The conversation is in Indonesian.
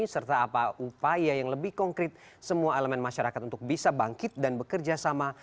serta apa upaya yang lebih konkret semua elemen masyarakat untuk bisa bangkit dan bekerja sama